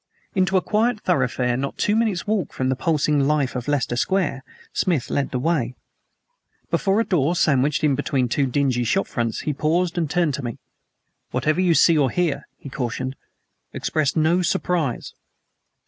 Into a quiet thoroughfare not two minutes' walk from the pulsing life of Leicester Square, Smith led the way. Before a door sandwiched in between two dingy shop fronts he paused and turned to me. "Whatever you see or hear," he cautioned, "express no surprise."